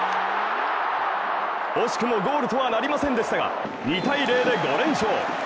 惜しくもゴールとはなりませんでしたが、２ー０で５連勝。